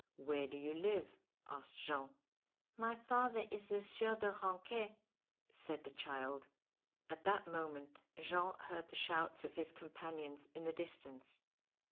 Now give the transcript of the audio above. "Where do you live?" asked Jean. "My father is the Sieur de Ranquet," said the child. At that moment Jean heard the shouts of his companions in the distance.